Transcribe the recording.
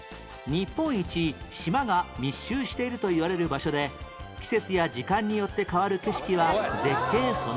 日本一島が密集しているといわれる場所で季節や時間によって変わる景色は絶景そのもの